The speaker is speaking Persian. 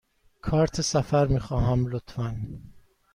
کارت سفر می خواهم، لطفاً.